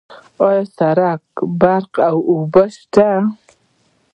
آیا سرک، برق او اوبه شته؟